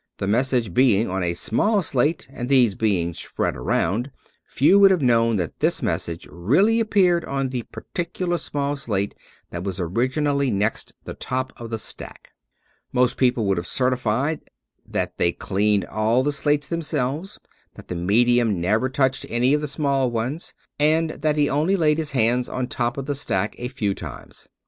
The message being on a small slate, and these being spread around, few would have known that this message really appeared on the particular small slate that was originally next the top of the stack. Most people would have certified that they cleaned all of the slates themselves, that the medium never touched any of the small ones, and that he only laid his hands on top of the stack a few times.